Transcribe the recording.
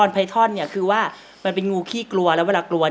มีกี่ตัว